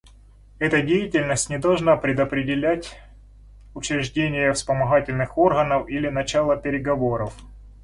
Эта деятельность не должна предопределять учреждение вспомогательных органов или начало переговоров.